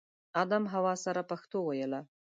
ادم حوا سره پښتو ویله